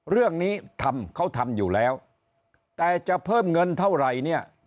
เรื่องนี้ทำเขาทำอยู่แล้วแต่จะเพิ่มเงินเท่าไหร่เนี่ย